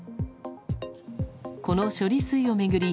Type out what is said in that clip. この処理水を巡り